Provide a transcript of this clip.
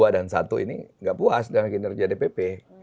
dua dan satu ini nggak puas dengan kinerja dpp